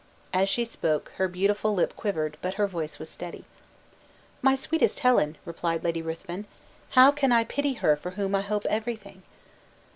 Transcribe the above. As she spoke, her beautiful lip quivered, but her voice was steady. "My sweetest Helen," replied Lady Ruthven, "how can I pity her for whom I hope everything."